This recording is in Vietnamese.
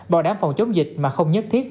bảo đảm phòng chống dịch mà không nhất thiết